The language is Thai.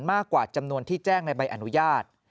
มากกว่าจำนวนที่แจ้งในใบอนุญาต